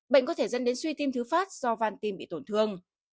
bệnh có thể dẫn đến suy tim thứ phát do van tim bị tổn thương